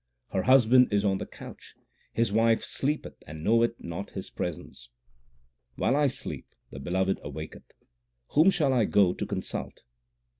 Her Husband is on the couch ; his wife sleepeth and knoweth not His presence. While I sleep, the Beloved awaketh ; whom shall I go to consult